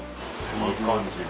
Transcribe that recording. いい感じの。